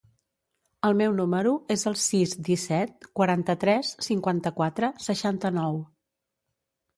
El meu número es el sis, disset, quaranta-tres, cinquanta-quatre, seixanta-nou.